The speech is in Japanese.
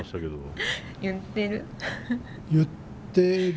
言ってる？